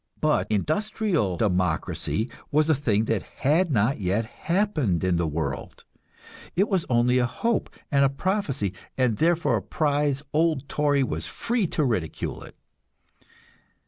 But industrial democracy was a thing that had not yet happened in the world; it was only a hope and a prophecy, and therefore a prize old Tory was free to ridicule it.